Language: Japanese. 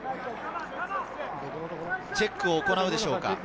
チェックを行うでしょうか。